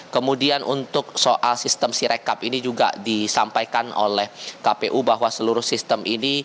kemudian untuk soal sistem sirekap ini juga disampaikan oleh kpu bahwa seluruh sistem ini